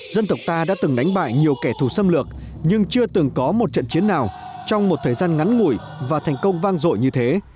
dân tộc ta đã từng đánh bại nhiều kẻ thù xâm lược nhưng chưa từng có một trận chiến nào trong một thời gian ngắn ngủi và thành công vang dội như thế